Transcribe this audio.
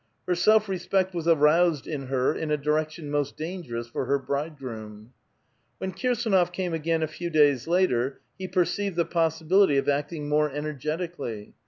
Her self respect was aroused in her in a direction most dangerous for her bride groom. When Kirsdnof came again a few days later, he perceived the possibility of acting more energetically.